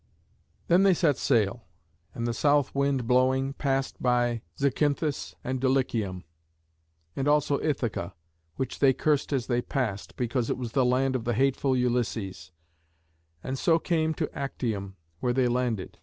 Then they set sail, and, the south wind blowing, passed by Zacynthus and Dulichium, and also Ithaca, which they cursed as they passed, because it was the land of the hateful Ulysses, and so came to Actium, where they landed.